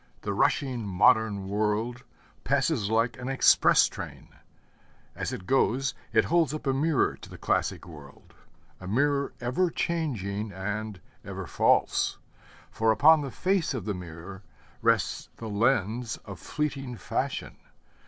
The rushing modern world passes like an express train; as it goes, it holds up a mirror to the classic world a mirror ever changing and ever false. For upon the face of the mirror rests the lens of fleeting fashion.